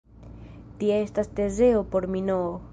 Tia estas Tezeo por Minoo.